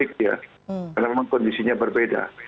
karena memang kondisinya berbeda